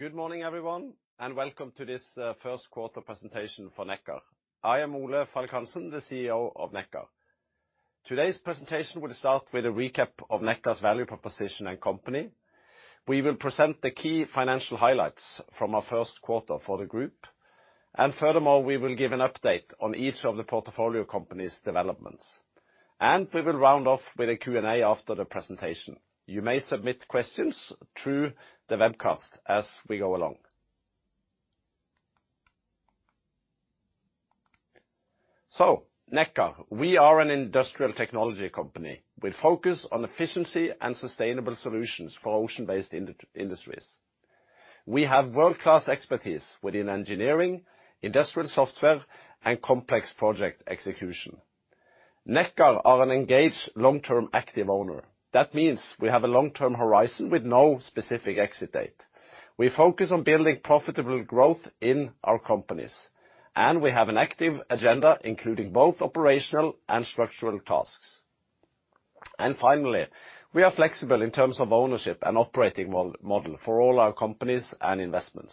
Good morning, everyone, and welcome to this Q1 presentation for Nekkar. I am Ole Falk Hansen, the CEO of Nekkar. Today's presentation will start with a recap of Nekkar's value proposition and company. We will present the key financial highlights from our Q1 for the group, and furthermore we will give an update on each of the portfolio companies' developments. We will round off with a Q&A after the presentation. You may submit questions through the webcast as we go along. Nekkar, we are an industrial technology company with focus on efficiency and sustainable solutions for ocean-based industries. We have world-class expertise within engineering, industrial software, and complex project execution. Nekkar are an engaged, long-term active owner. That means we have a long-term horizon with no specific exit date. We focus on building profitable growth in our companies, and we have an active agenda including both operational and structural tasks. Finally, we are flexible in terms of ownership and operating model for all our companies and investments.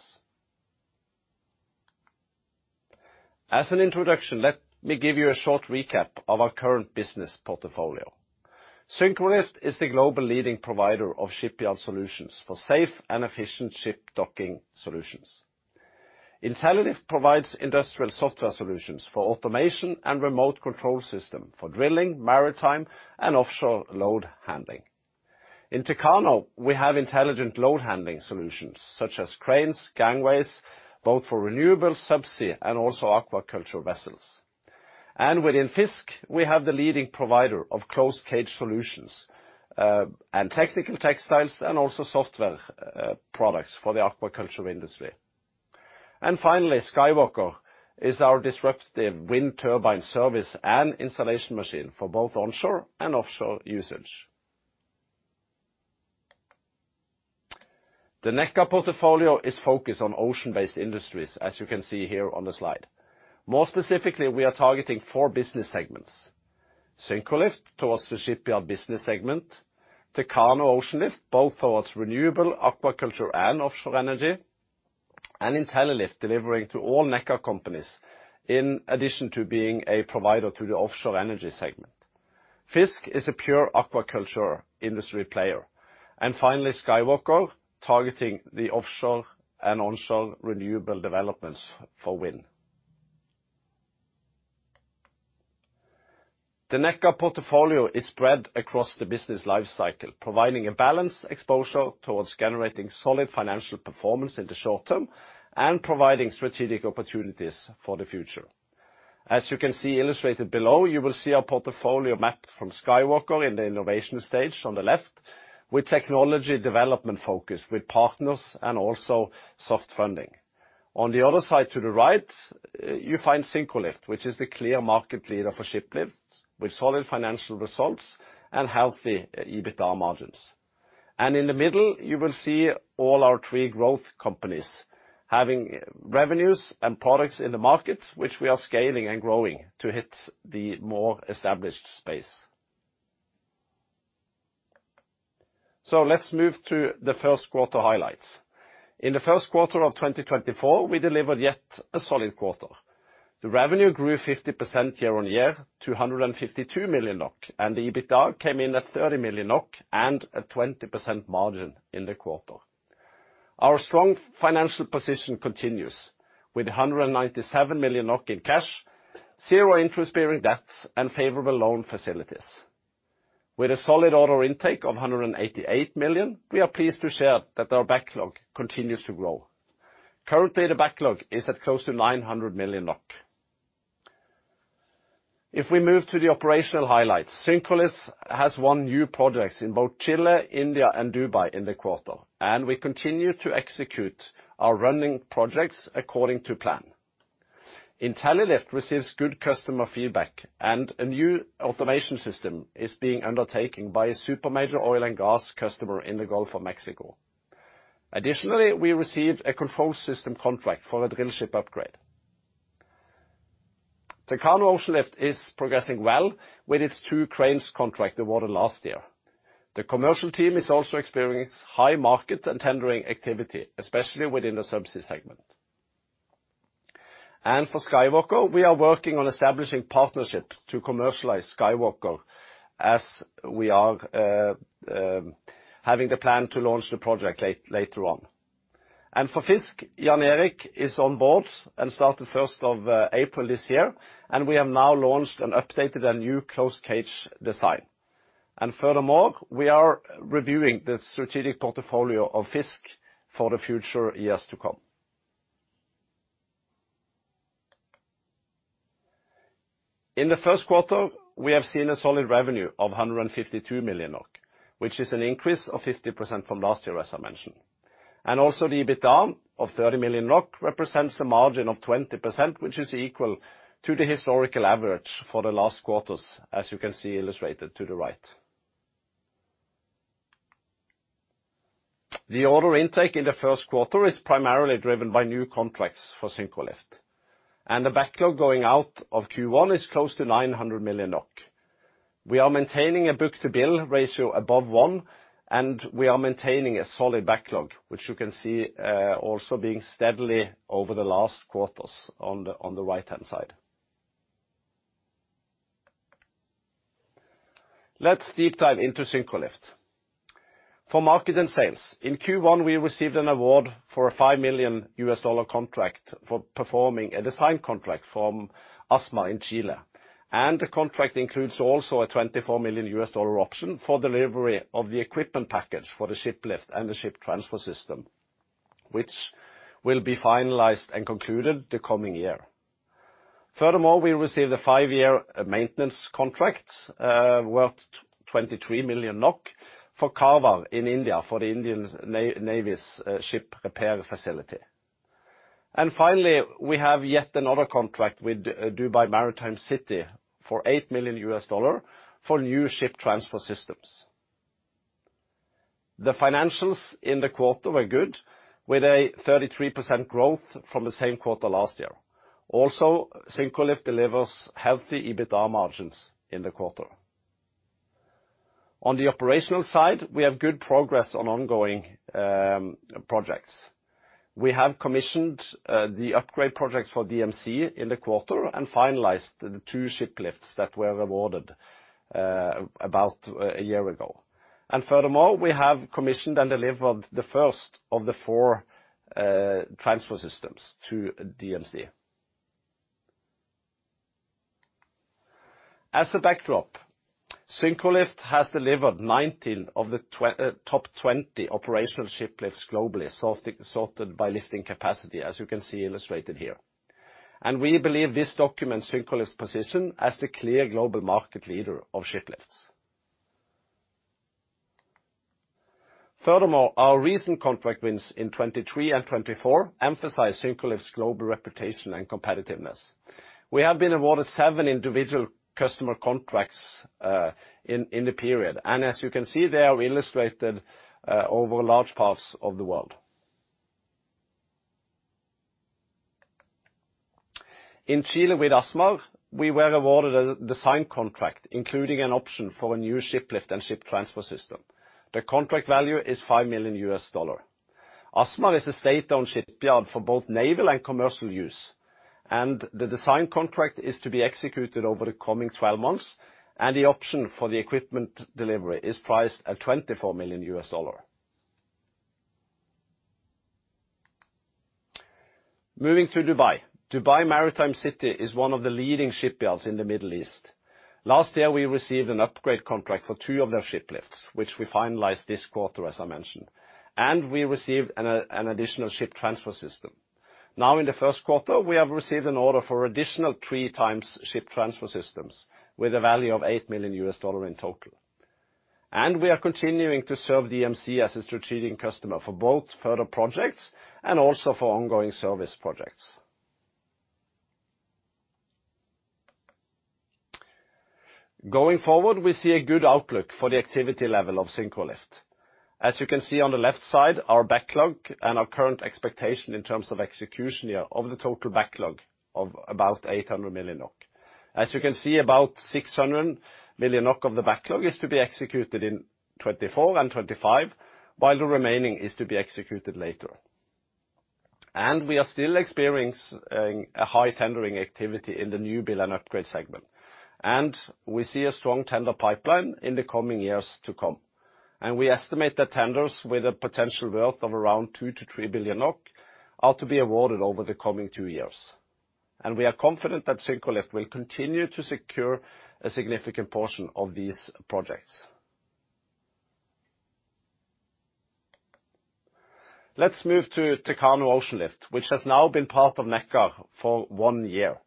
As an introduction, let me give you a short recap of our current business portfolio. Syncrolift is the global leading provider of shipyard solutions for safe and efficient ship docking solutions. Intellilift provides industrial software solutions for automation and remote control systems for drilling, maritime, and offshore load handling. In Techano, we have intelligent load handling solutions such as cranes, gangways, both for renewable, subsea, and also aquaculture vessels. Within FiiZK, we have the leading provider of closed-cage solutions and technical textiles and also software products for the aquaculture industry. Finally, SkyWalker is our disruptive wind turbine service and installation machine for both onshore and offshore usage. The Nekkar portfolio is focused on ocean-based industries, as you can see here on the slide. More specifically, we are targeting four business segments: Syncrolift towards the shipyard business segment, Techano Oceanlift both towards renewable, aquaculture, and offshore energy, and Intellilift delivering to all Nekkar companies in addition to being a provider to the offshore energy segment. FiiZK is a pure aquaculture industry player. And finally, SkyWalker, targeting the offshore and onshore renewable developments for wind. The Nekkar portfolio is spread across the business lifecycle, providing a balanced exposure towards generating solid financial performance in the short term and providing strategic opportunities for the future. As you can see illustrated below, you will see our portfolio mapped from SkyWalker in the innovation stage on the left with technology development focus with partners and also soft funding. On the other side to the right, you find Syncrolift, which is the clear market leader for shiplifts with solid financial results and healthy EBITDA margins. In the middle, you will see all our three growth companies having revenues and products in the markets which we are scaling and growing to hit the more established space. Let's move to the Q1 highlights. In the Q1 of 2024, we delivered yet a Q2. The revenue grew 50% year-on-year, 252 million NOK, and the EBITDA came in at 30 million NOK and a 20% margin in the quarter. Our strong financial position continues with 197 million in cash, zero interest-bearing debts, and favorable loan facilities. With a solid order intake of 188 million, we are pleased to share that our backlog continues to grow. Currently, the backlog is at close to 900 million. If we move to the operational highlights, Syncrolift has won new projects in both Chile, India, and Dubai in the quarter, and we continue to execute our running projects according to plan. Intellilift receives good customer feedback, and a new automation system is being undertaken by a super major oil and gas customer in the Gulf of Mexico. Additionally, we received a control system contract for a drillship upgrade. Techano Oceanlift is progressing well with its 2 cranes contracted late last year. The commercial team is also experiencing high market and tendering activity, especially within the subsea segment. For SkyWalker, we are working on establishing partnership to commercialize SkyWalker as we are having the plan to launch the project later on. For FiiZK, Jan Erik is on board and started 1st of April this year, and we have now launched and updated a new closed-cage design. Furthermore, we are reviewing the strategic portfolio of FiiZK for the future years to come. In the Q1, we have seen a solid revenue of 152 million NOK, which is an increase of 50% from last year, as I mentioned. Also the EBITDA of 30 million represents a margin of 20%, which is equal to the historical average for the last quarters, as you can see illustrated to the right. The order intake in the Q1 is primarily driven by new contracts for Syncrolift. The backlog going out of Q1 is close to 900 million NOK. We are maintaining a book-to-bill ratio above one, and we are maintaining a solid backlog, which you can see also being steadily over the last quarters on the right-hand side. Let's deep dive into Syncrolift. For market and sales, in Q1, we received an award for a $5 million contract for performing a design contract from ASMAR in Chile. The contract includes also a $24 million option for delivery of the equipment package for the shiplift and the ship transfer system, which will be finalized and concluded the coming year. Furthermore, we received a five-year maintenance contract worth 23 million NOK for Karwar in India for the Indian Navy's ship repair facility. Finally, we have yet another contract with Dubai Maritime City for $8 million for new ship transfer systems. The financials in the quarter were good with 33% growth from the same quarter last year. Also, Syncrolift delivers healthy EBITDA margins in the quarter. On the operational side, we have good progress on ongoing projects. We have commissioned the upgrade projects for DMC in the quarter and finalized the 2 shiplifts that were awarded about a year ago. Furthermore, we have commissioned and delivered the first of the 4 transfer systems to DMC. As a backdrop, Syncrolift has delivered 19 of the top 20 operational shiplifts globally sorted by lifting capacity, as you can see illustrated here. We believe this documents Syncrolift's position as the clear global market leader of shiplifts. Furthermore, our recent contract wins in 2023 and 2024 emphasize Syncrolift's global reputation and competitiveness. We have been awarded 7 individual customer contracts in the period, and as you can see, they are illustrated over large parts of the world. In Chile with ASMAR, we were awarded a design contract including an option for a new shiplift and ship transfer system. The contract value is $5 million. ASMAR is a state-owned shipyard for both naval and commercial use, and the design contract is to be executed over the coming 12 months, and the option for the equipment delivery is priced at $24 million. Moving to Dubai. Dubai Maritime City is one of the leading shipyards in the Middle East. Last year, we received an upgrade contract for two of their shiplifts, which we finalized this quarter, as I mentioned. We received an additional ship transfer system. Now, in the Q1, we have received an order for additional three times ship transfer systems with a value of $8 million in total. We are continuing to serve DMC as a strategic customer for both further projects and also for ongoing service projects. Going forward, we see a good outlook for the activity level of Syncrolift. As you can see on the left side, our backlog and our current expectation in terms of execution here of the total backlog of about 800 million NOK. As you can see, about 600 million NOK of the backlog is to be executed in 2024 and 2025, while the remaining is to be executed later. We are still experiencing a high tendering activity in the newbuild and upgrade segment. We see a strong tender pipeline in the coming years to come. We estimate that tenders with a potential worth of around 2 billion-3 billion NOK are to be awarded over the coming two years. We are confident that Syncrolift will continue to secure a significant portion of these projects. Let's move to Techano Oceanlift, which has now been part of Nekkar for one year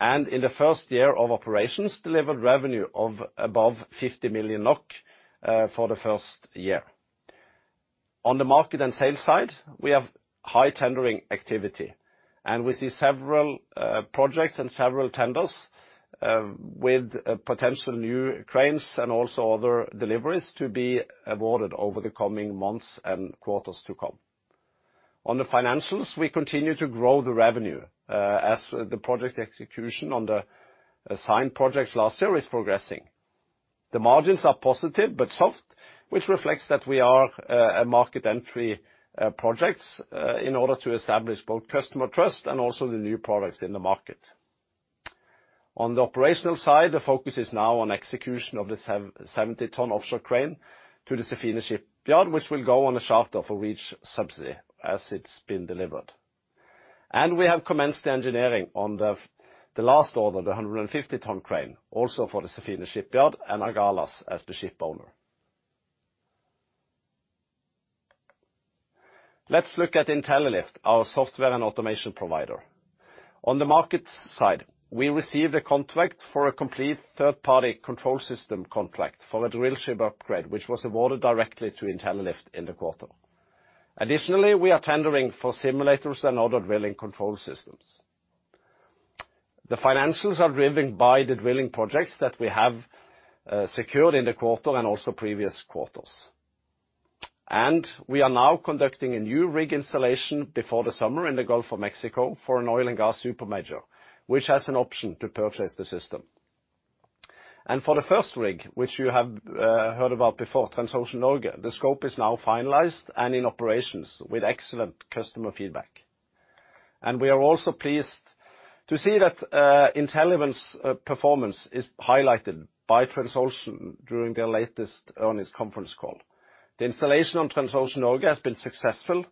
and in the first year of operations delivered revenue of above 50 million NOK for the first year. On the market and sales side, we have high tendering activity, and we see several projects and several tenders with potential new cranes and also other deliveries to be awarded over the coming months and quarters to come. On the financials, we continue to grow the revenue as the project execution on the signed projects last year is progressing. The margins are positive but soft, which reflects that we are a market entry project in order to establish both customer trust and also the new products in the market. On the operational side, the focus is now on execution of the 70-ton offshore crane to the Sefine Shipyard, which will go on a charter for Reach Subsea as it's been delivered. We have commenced the engineering on the last order, the 150-ton crane, also for the Sefine Shipyard and Agalas as the ship owner. Let's look at Intellilift, our software and automation provider. On the market side, we received a contract for a complete third-party control system contract for a drillship upgrade, which was awarded directly to Intellilift in the quarter. Additionally, we are tendering for simulators and other drilling control systems. The financials are driven by the drilling projects that we have secured in the quarter and also previous quarters. We are now conducting a new rig installation before the summer in the Gulf of Mexico for an oil and gas super major, which has an option to purchase the system. For the first rig, which you have heard about before, Transocean Norge, the scope is now finalized and in operations with excellent customer feedback. We are also pleased to see that Intellilift performance is highlighted by Transocean during their latest earnings conference call. The installation on Transocean Norge has been successful,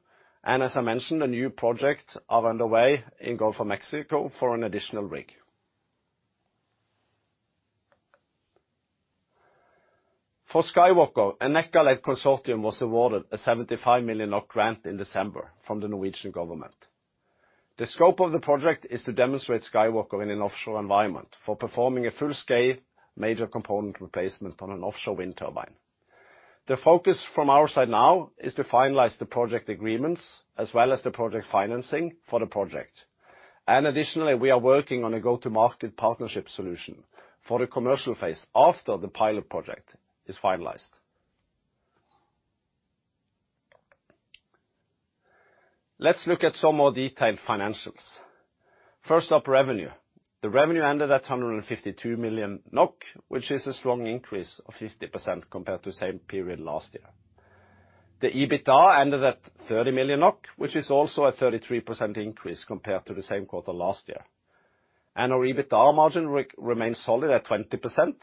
and as I mentioned, a new project is underway in Gulf of Mexico for an additional rig. For SkyWalker, a Nekkar-led consortium was awarded a 75 million NOK grant in December from the Norwegian government. The scope of the project is to demonstrate SkyWalker in an offshore environment for performing a full-scale major component replacement on an offshore wind turbine. The focus from our side now is to finalize the project agreements as well as the project financing for the project. Additionally, we are working on a go-to-market partnership solution for the commercial phase after the pilot project is finalized. Let's look at some more detailed financials. First up, revenue. The revenue ended at 152 million NOK, which is a strong increase of 50% compared to the same period last year. The EBITDA ended at 30 million NOK, which is also a 33% increase compared to the same quarter last year. Our EBITDA margin remains solid at 20%,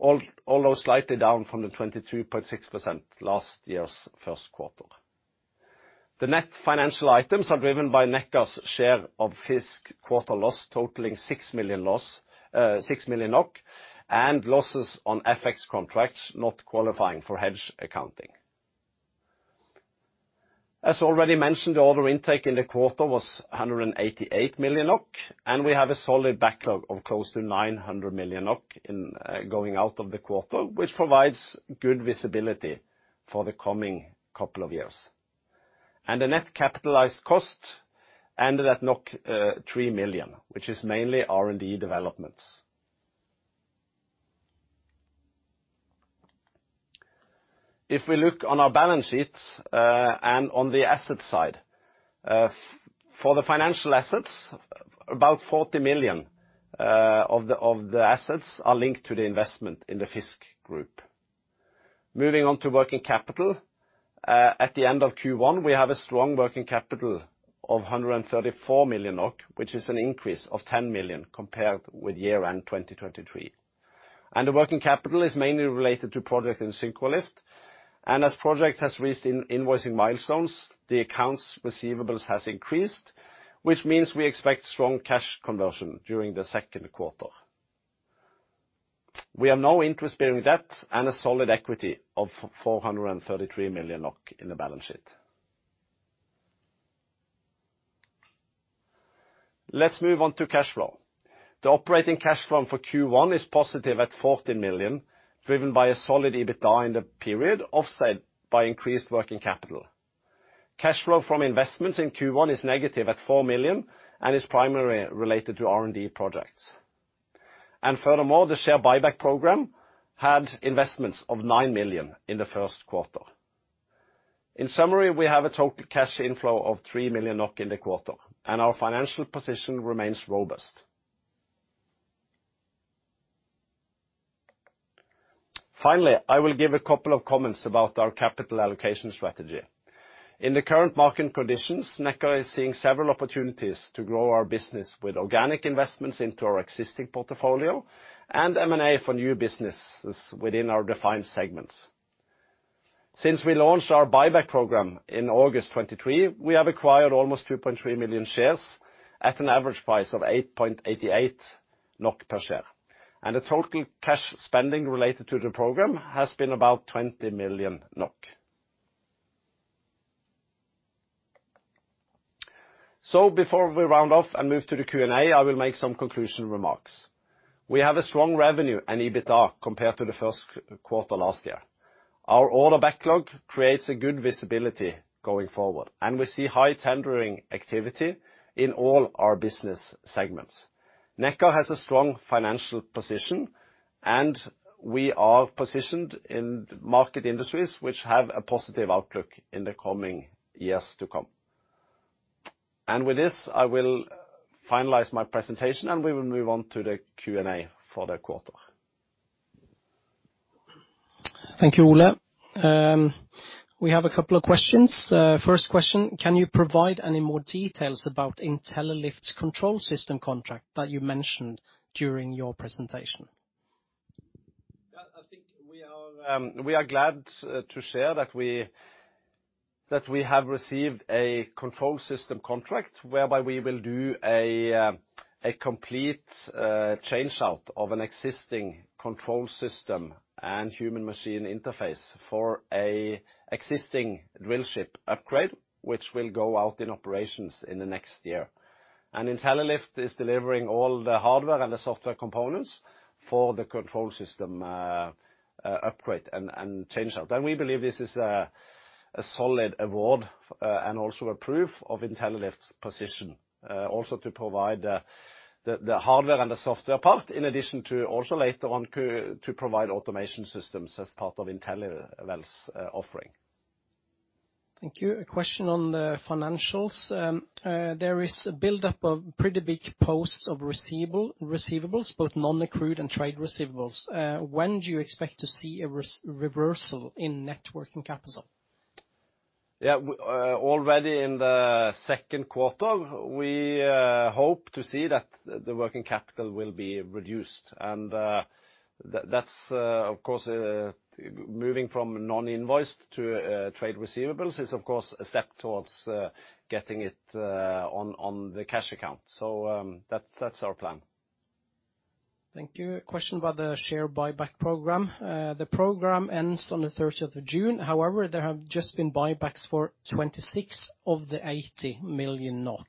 although slightly down from the 22.6% last year's Q1. The net financial items are driven by Nekkar's share of FiiZK quarter loss totaling 6 million NOK loss and losses on FX contracts not qualifying for hedge accounting. As already mentioned, the order intake in the quarter was 188 million NOK, and we have a solid backlog of close to 900 million NOK going out of the quarter, which provides good visibility for the coming couple of years. The net capitalized cost ended at 3 million, which is mainly R&D developments. If we look on our balance sheets and on the asset side, for the financial assets, about 40 million of the assets are linked to the investment in the FiiZK group. Moving on to working capital, at the end of Q1, we have a strong working capital of 134 million NOK, which is an increase of 10 million compared with year-end 2023. The working capital is mainly related to projects in Syncrolift. As projects have reached invoicing milestones, the accounts receivables have increased, which means we expect strong cash conversion during the Q2. We have no interest-bearing debt and a solid equity of 433 million in the balance sheet. Let's move on to cash flow. The operating cash flow for Q1 is positive at 14 million, driven by a solid EBITDA in the period offset by increased working capital. Cash flow from investments in Q1 is negative at 4 million and is primarily related to R&D projects. And furthermore, the share buyback program had investments of 9 million in the Q1. In summary, we have a total cash inflow of 3 million NOK in the quarter, and our financial position remains robust. Finally, I will give a couple of comments about our capital allocation strategy. In the current market conditions, Nekkar is seeing several opportunities to grow our business with organic investments into our existing portfolio and M&A for new businesses within our defined segments. Since we launched our buyback program in August 2023, we have acquired almost 2.3 million shares at an average price of 8.88 NOK per share. The total cash spending related to the program has been about 20 million NOK. Before we round off and move to the Q&A, I will make some conclusion remarks. We have a strong revenue and EBITDA compared to the Q1 last year. Our order backlog creates a good visibility going forward, and we see high tendering activity in all our business segments. Nekkar has a strong financial position, and we are positioned in market industries which have a positive outlook in the coming years to come. And with this, I will finalize my presentation, and we will move on to the Q&A for the quarter. Thank you, Ole. We have a couple of questions. First question, can you provide any more details about Intellilift's control system contract that you mentioned during your presentation? Yeah, I think we are glad to share that we have received a control system contract whereby we will do a complete changeout of an existing control system and human-machine interface for an existing drillship upgrade, which will go out in operations in the next year. And Intellilift is delivering all the hardware and the software components for the control system upgrade and changeout. And we believe this is a solid award and also a proof of Intellilift's position, also to provide the hardware and the software part in addition to also later on to provide automation systems as part of InteliWell's offering. Thank you. A question on the financials. There is a buildup of pretty big posts of receivables, both non-accrued and trade receivables. When do you expect to see a reversal in net working capital? Yeah, already in the Q2, we hope to see that the working capital will be reduced. And that's, of course, moving from non-invoiced to trade receivables is, of course, a step towards getting it on the cash account. So that's our plan. Thank you. A question about the share buyback program. The program ends on the 30th of June. However, there have just been buybacks for 26 of the 80 million NOK.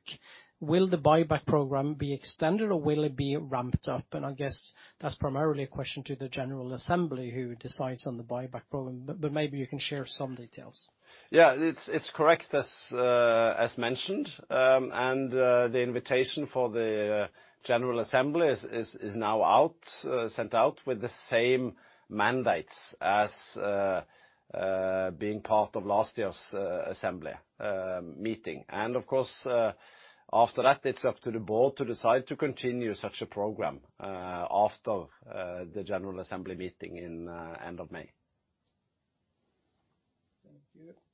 Will the buyback program be extended, or will it be ramped up? And I guess that's primarily a question to the General Assembly who decides on the buyback program. But maybe you can share some details. Yeah, it's correct as mentioned. The invitation for the General Assembly is now sent out with the same mandates as being part of last year's assembly meeting. Of course, after that, it's up to the board to decide to continue such a program after the General Assembly meeting in the end of May.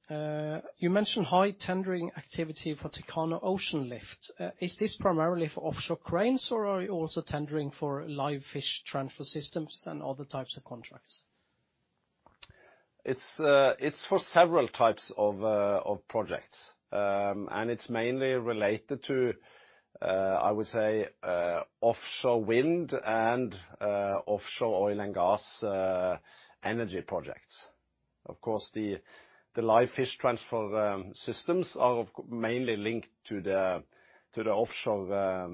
Thank you. You mentioned high tendering activity for Techano Oceanlift. Is this primarily for offshore cranes, or are you also tendering for live fish transfer systems and other types of contracts? It's for several types of projects. It's mainly related to, I would say, offshore wind and offshore oil and gas energy projects. Of course, the live fish transfer systems are mainly linked to the offshore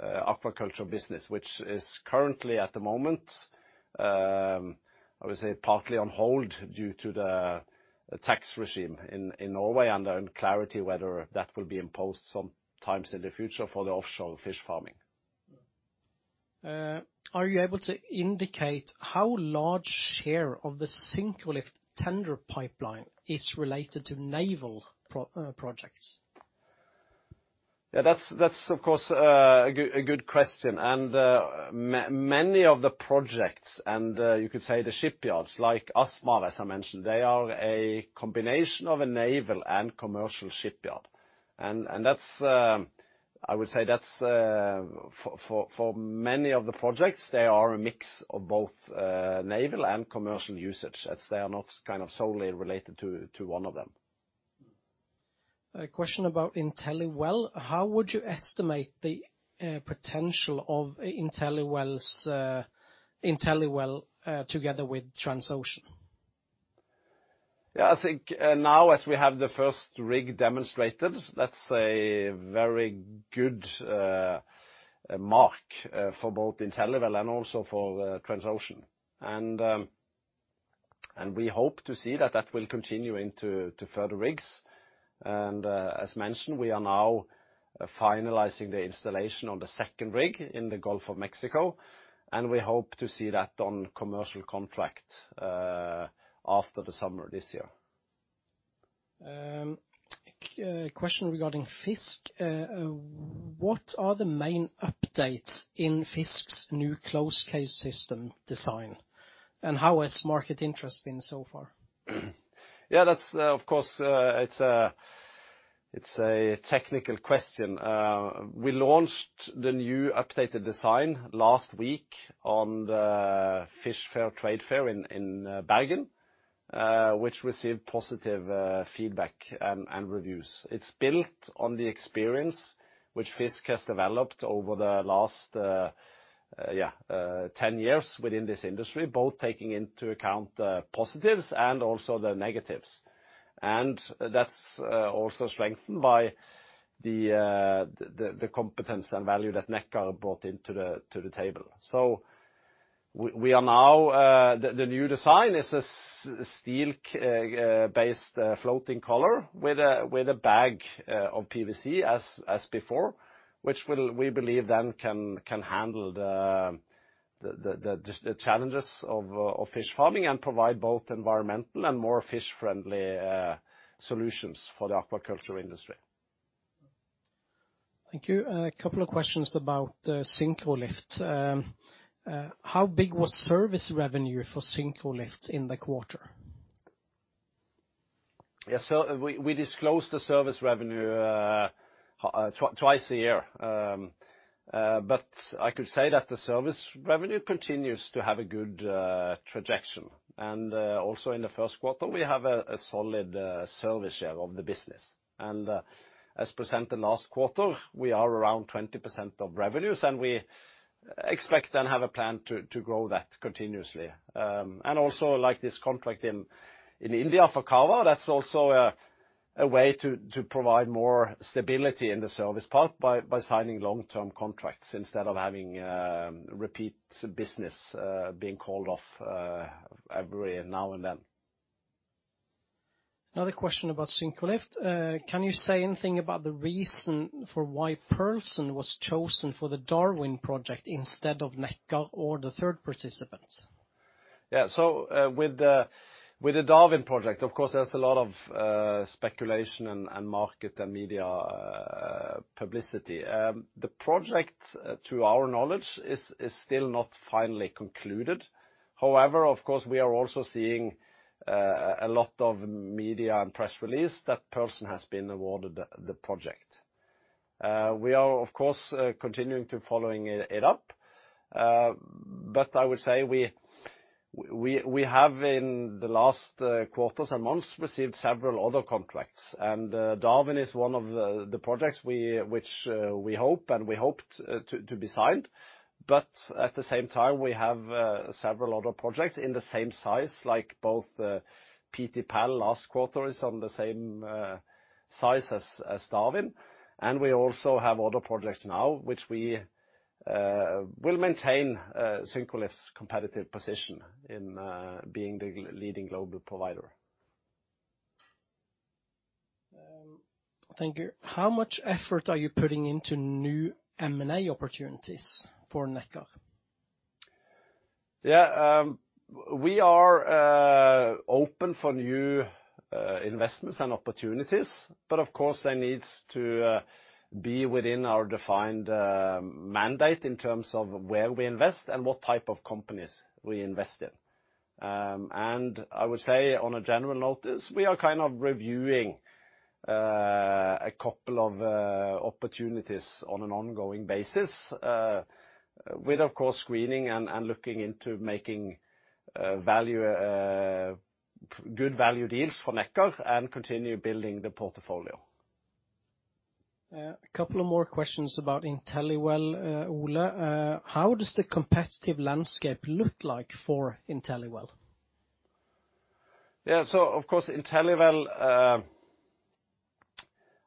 aquaculture business, which is currently, at the moment, I would say, partly on hold due to the tax regime in Norway and unclarity whether that will be imposed sometimes in the future for the offshore fish farming. Are you able to indicate how large share of the Syncrolift tender pipeline is related to naval projects? Yeah, that's, of course, a good question. And many of the projects and you could say the shipyards, like ASMAR, as I mentioned, they are a combination of a naval and commercial shipyard. And I would say that's for many of the projects, they are a mix of both naval and commercial usage. They are not kind of solely related to one of them. A question about InteliWell. How would you estimate the potential of InteliWell together with Transocean? Yeah, I think now as we have the first rig demonstrated, that's a very good mark for both InteliWell and also for Transocean. And we hope to see that that will continue into further rigs. And as mentioned, we are now finalizing the installation on the second rig in the Gulf of Mexico. And we hope to see that on commercial contract after the summer this year. A question regarding FiiZK. What are the main updates in FiiZK's new closed-cage system design? And how has market interest been so far? Yeah, of course, it's a technical question. We launched the new updated design last week on Fish Fair Trade Fair in Bergen, which received positive feedback and reviews. It's built on the experience which FiiZK has developed over the last, yeah, 10 years within this industry, both taking into account the positives and also the negatives. And that's also strengthened by the competence and value that Nekkar brought into the table. So we are now the new design is a steel-based floating collar with a bag of PVC as before, which we believe then can handle the challenges of fish farming and provide both environmental and more fish-friendly solutions for the aquaculture industry. Thank you. A couple of questions about Syncrolift. How big was service revenue for Syncrolift in the quarter? Yeah, so we disclose the service revenue twice a year. But I could say that the service revenue continues to have a good trajectory. And also in the Q1, we have a solid service share of the business. And as presented last quarter, we are around 20% of revenues, and we expect then to have a plan to grow that continuously. And also, like this contract in India for Karwar, that's also a way to provide more stability in the service part by signing long-term contracts instead of having repeat business being called off every now and then. Another question about Syncrolift. Can you say anything about the reason for why Pearlson was chosen for the Darwin project instead of Nekkar or the third participant? Yeah, so with the Darwin project, of course, there's a lot of speculation and market and media publicity. The project, to our knowledge, is still not finally concluded. However, of course, we are also seeing a lot of media and press release that Pearlson has been awarded the project. We are, of course, continuing to follow it up. But I would say we have in the last quarters and months received several other contracts. Darwin is one of the projects which we hope and we hoped to be signed. But at the same time, we have several other projects in the same size, like both PT PAL last quarter is on the same size as Darwin. We also have other projects now which we will maintain Syncrolift's competitive position in being the leading global provider. Thank you. How much effort are you putting into new M&A opportunities for Nekkar? Yeah, we are open for new investments and opportunities, but of course, they need to be within our defined mandate in terms of where we invest and what type of companies we invest in. I would say on a general note, we are kind of reviewing a couple of opportunities on an ongoing basis with, of course, screening and looking into making good value deals for Nekkar and continue building the portfolio. A couple of more questions about InteliWell, Ole. How does the competitive landscape look like for InteliWell? Yeah, so of course, InteliWell,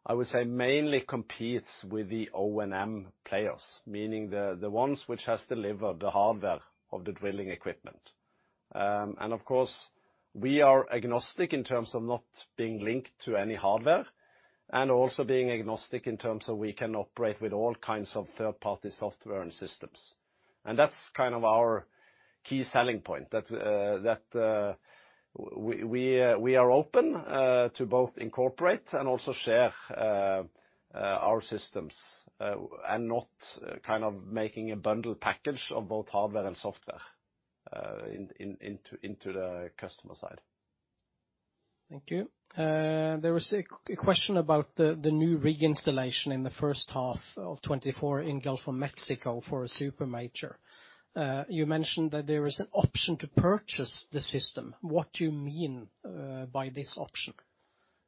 I would say, mainly competes with the O&M players, meaning the ones which have delivered the hardware of the drilling equipment. And of course, we are agnostic in terms of not being linked to any hardware and also being agnostic in terms of we can operate with all kinds of third-party software and systems. And that's kind of our key selling point, that we are open to both incorporate and also share our systems and not kind of making a bundle package of both hardware and software into the customer side. Thank you. There was a question about the new rig installation in the first half of 2024 in Gulf of Mexico for a super major. You mentioned that there is an option to purchase the system. What do you mean by this option?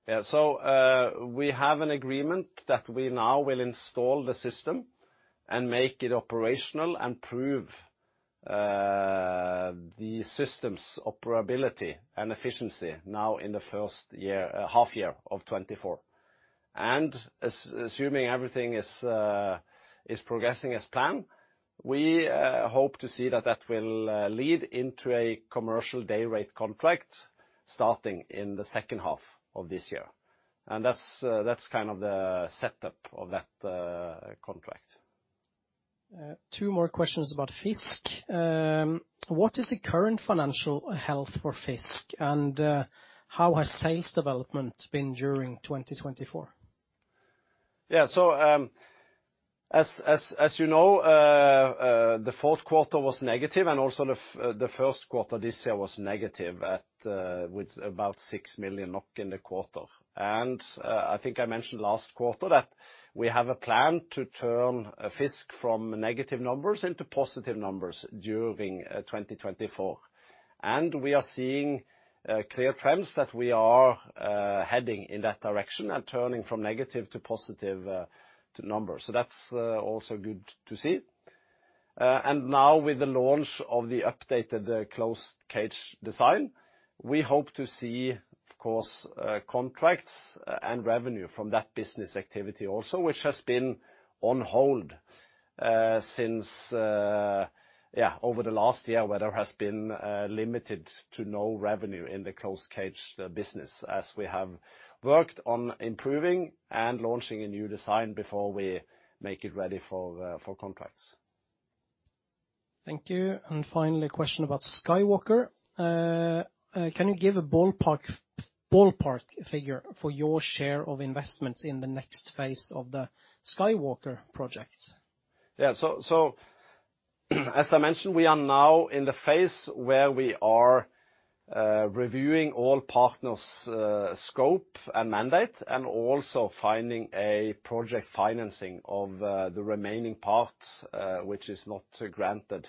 Yeah, so we have an agreement that we now will install the system and make it operational and prove the system's operability and efficiency now in the first half year of 2024. And assuming everything is progressing as planned, we hope to see that that will lead into a commercial day-rate contract starting in the second half of this year. And that's kind of the setup of that contract. 2 more questions about FiiZK. What is the current financial health for FiiZK, and how has sales development been during 2024? Yeah, so as you know, the Q4 was negative, and also the Q1 this year was negative with about 6 million NOK in the quarter. And I think I mentioned last quarter that we have a plan to turn FiiZK from negative numbers into positive numbers during 2024. We are seeing clear trends that we are heading in that direction and turning from negative to positive numbers. So that's also good to see. Now with the launch of the updated closed-cage design, we hope to see, of course, contracts and revenue from that business activity also, which has been on hold over the last year where there has been limited to no revenue in the closed-cage business as we have worked on improving and launching a new design before we make it ready for contracts. Thank you. Finally, a question about SkyWalker. Can you give a ballpark figure for your share of investments in the next phase of the SkyWalker project? Yeah, so as I mentioned, we are now in the phase where we are reviewing all partners' scope and mandate and also finding a project financing of the remaining part, which is not granted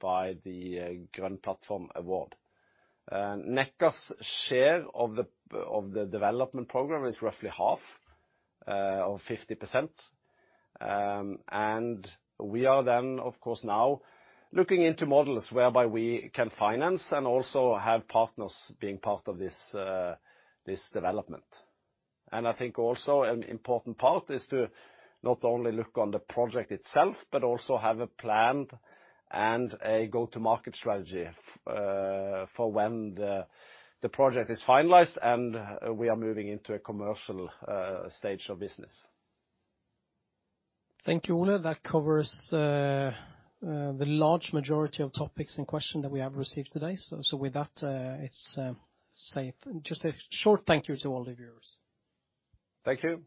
by the Grønn Plattform award. Nekkar's share of the development program is roughly half of 50%. And we are then, of course, now looking into models whereby we can finance and also have partners being part of this development. And I think also an important part is to not only look on the project itself but also have a planned and a go-to-market strategy for when the project is finalized and we are moving into a commercial stage of business. Thank you, Ole. That covers the large majority of topics and questions that we have received today. So with that, it's safe. Just a short thank you to all the viewers. Thank you.